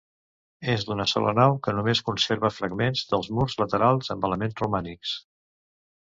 És d'una sola nau, que només conserva fragments dels murs laterals amb elements romànics.